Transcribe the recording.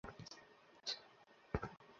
আমি বললাম, আমি যা করেছি আর আপনাকে যে কষ্টে ফেলেছি।